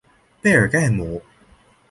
贝尔盖姆。